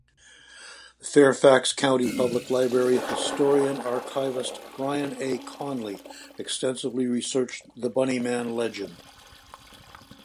Fairfax County Public Library Historian-Archivist Brian A. Conley extensively researched the Bunny Man legend.